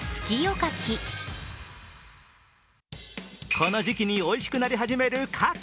この時季においしくなり始める牡蠣。